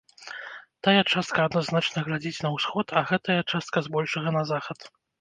Тая частка адназначна глядзіць на ўсход, а гэтая частка, збольшага, на захад.